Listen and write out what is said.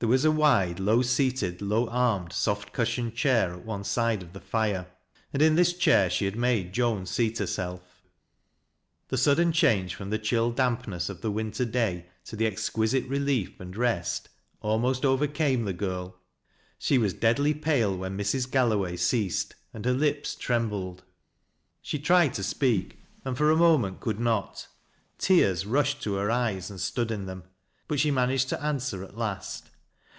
There was a wide, low seated, low armed, soft cushioned chair at one side of the fire, and in this chair she had made Joan seat herself. The sudden change from the chill dampness of the winter day to the exquisite relief and rest, almost overcame the girl. She was deadly palo \fhen Mrs. Galloway ceased, and her lips trembled ; she tried to speak, and for a moment could not ; tears rushed to her eyes and stood in them. But she managed to an d<ver at last.